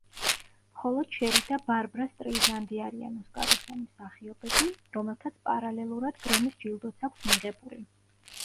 მხოლოდ შერი და ბარბრა სტრეიზანდი არიან ოსკაროსანი მსახიობები, რომელთაც პარალელურად გრემის ჯილდოც აქვთ მიღებული.